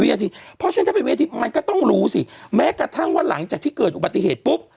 เพราะฉะนั้นถ้าเป็นเวทีมันก็ต้องรู้สิแม้กระทั่งว่าหลังจากที่เกิดอุบัติเหตุปุ๊บ